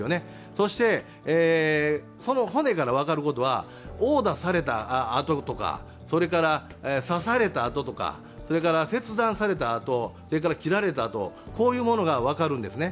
そして、その骨から分かることは殴打されたあととか、刺されたあととか、切断されたあと、切られたあと、こういうものが分かるんですね。